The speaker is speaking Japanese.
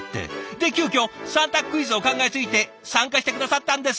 で急きょ三択クイズを考えついて参加して下さったんです。